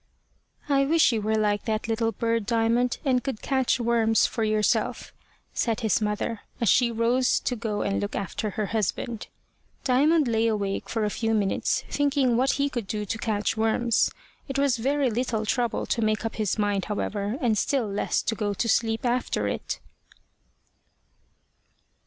"I wish you were like that little bird, Diamond, and could catch worms for yourself," said his mother, as she rose to go and look after her husband. Diamond lay awake for a few minutes, thinking what he could do to catch worms. It was very little trouble to make up his mind, however, and still less to go to sleep after it.